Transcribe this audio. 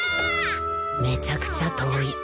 めちゃくちゃ遠い何？